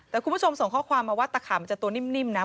แต่คุณผู้ชมส่งข้อความมาว่าตะขามันจะตัวนิ่มนะ